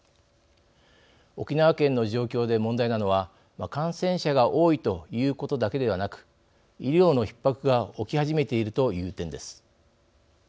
沖縄県の状況で問題なのは感染者が多いということだけではなく医療のひっ迫が起き始めているという点です。